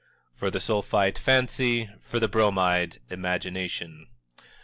For the Sulphite, fancy; for the Bromide, imagination.